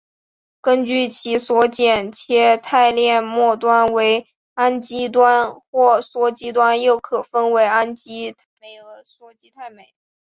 根据其所剪切肽链末端为氨基端或羧基端又可分为氨基肽酶和羧基肽酶。